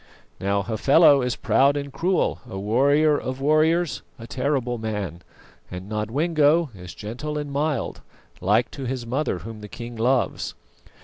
Now Hafela is proud and cruel, a warrior of warriors, a terrible man, and Nodwengo is gentle and mild, like to his mother whom the king loves.